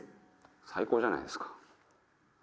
最高じゃないですか。